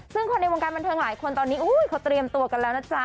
ซึ่งคนในวงการบันเทิงหลายคนตอนนี้เขาเตรียมตัวกันแล้วนะจ๊ะ